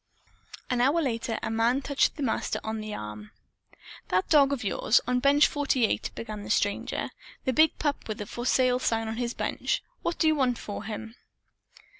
An hour later, a man touched the Master on the arm. "That dog of yours, on Bench 48," began the stranger, "the big pup with the 'For Sale' sign on his bench. What do you want for him?"